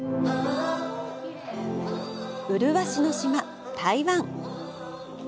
麗しの島台湾。